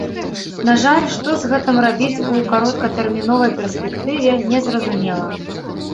На жаль, што з гэтым рабіць у кароткатэрміновай перспектыве, незразумела.